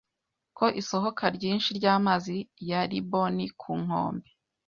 ko isohoka ryinshi ry’amazi ya Ripon ku nkombe